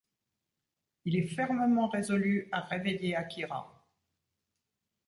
Il est fermement résolu à réveiller Akira.